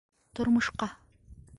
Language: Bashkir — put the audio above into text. Тормошҡа...